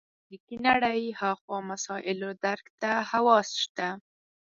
فزیکي نړۍ هاخوا مسایلو درک ته حواس شته.